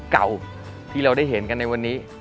เก่าที่เราได้เห็นกันในวันนี้